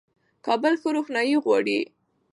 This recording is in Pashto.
کابل ښه روښنايي غواړي.